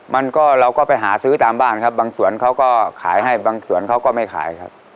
มันก็เราก็ไปหาซื้อตามบ้านครับบางส่วนเขาก็ขายให้บางส่วนเขาก็ไม่ขายครับ